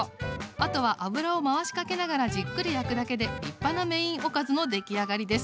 あとは油を回しかけながらじっくり焼くだけで立派なメインおかずの出来上がりです。